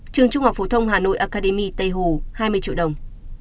trường trung học phổ thông hà nội acadymy tây hồ hai mươi triệu đồng